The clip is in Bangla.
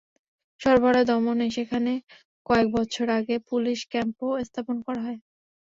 সর্বহারা দমনে সেখানে কয়েক বছর আগে পুলিশ ক্যাম্পও স্থাপন করা হয়।